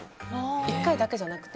１回だけじゃなくて。